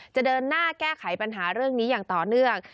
จะเดินหน้าแก้ไขปัญหาเรื่องนี้อย่างต่อเนื่อง